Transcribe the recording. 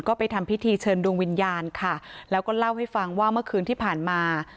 ก็ไปทำพิธีเชิญดวงวิญญาณค่ะแล้วก็เล่าให้ฟังว่าเมื่อคืนที่ผ่านมา